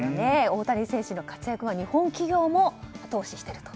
大谷選手の活躍が日本企業も後押ししていると。